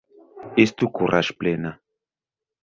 Estu Kuraĝplena!